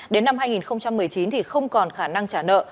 đến năm hai nghìn một mươi chín thì không còn khả năng trả nợ